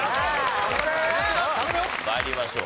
参りましょう。